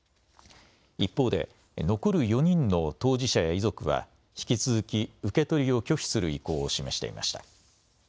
一方で残る４人の当事者や遺族は引き続き受け取りを拒否する意向を示していました。